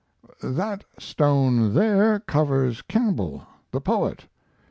"That stone there covers Campbell the poet.